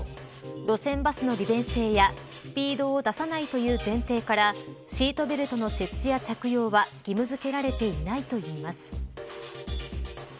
路線バスの利便性やスピードを出さないという前提からシートベルトの設置や着用は義務付けられていないといいます。